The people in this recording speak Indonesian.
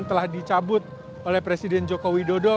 telah dicabut oleh presiden joko widodo